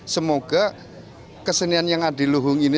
semoga kesenian yang ada di luhung ini